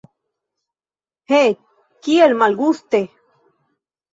He, kiel malguste!